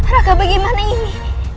raka bagaimana ini